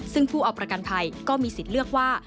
ซึ่งผู้เอาประกันภัยก็มีสิทธิ์เลือกว่า